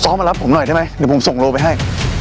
มารับผมหน่อยได้ไหมเดี๋ยวผมส่งโลไปให้